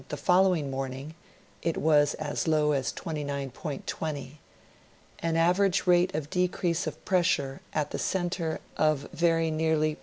the following morn ing it was as low as 29.20, — an average rate of decrease of pressure at the center of very nearly